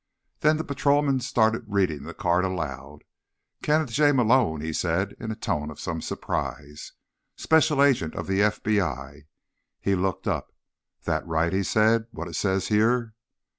Then the patrolman started reading the card aloud. "Kenneth J. Malone," he said in a tone of some surprise. "Special Agent of the FBI." He looked up. "That right?" he said. "What it says here?"